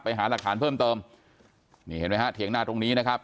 หาหลักฐานเพิ่มเติมนี่เห็นไหมฮะเถียงหน้าตรงนี้นะครับ